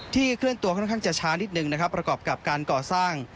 เคลื่อนตัวค่อนข้างจะช้านิดนึงนะครับประกอบกับการก่อสร้าง